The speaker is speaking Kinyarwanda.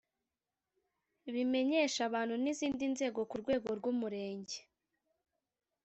bimenyeshe abantu n’ izindi nzego ku rwego rw’umurenge